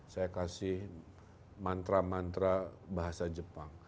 saya kasih mantra mantra bahasa jepang